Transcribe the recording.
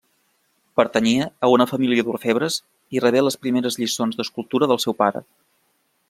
Pertanyia a una família d'orfebres i rebé les primeres lliçons d'escultura del seu pare.